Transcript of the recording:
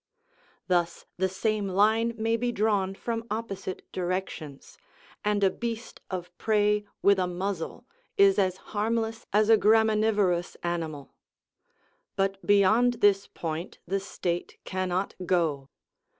Thus the same line may be drawn from opposite directions, and a beast of prey with a muzzle is as harmless as a graminivorous animal. But beyond this point the state cannot go.